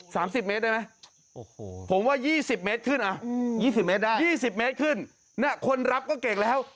สามสิบเมตรได้ไหมโอ้โหผมว่ายี่สิบเมตรขึ้นอ่ะอืมยี่สิบเมตรได้ยี่สิบเมตรขึ้นน่ะคนรับก็เก่งแล้ว